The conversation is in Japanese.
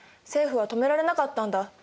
政府は止められなかったんだ。